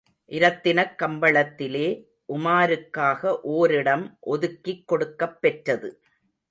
இரத்தினக் கம்பளத்திலே, உமாருக்காக ஓரிடம் ஒதுக்கிக் கொடுக்கப் பெற்றது.